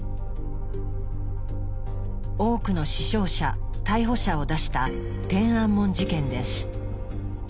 多くの死傷者逮捕者を出した「天安門事件」です。